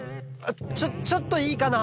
ちょっちょっといいかな？